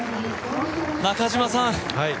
中嶋さん